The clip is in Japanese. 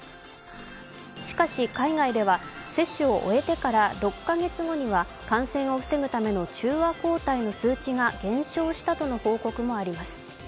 しかし、海外では接種を終えてから６カ月後には感染を防ぐための中和抗体の数値が減少したとの報告もあります。